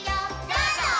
どうぞー！